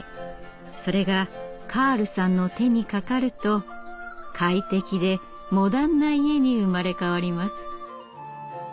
それがカールさんの手にかかると快適でモダンな家に生まれ変わります。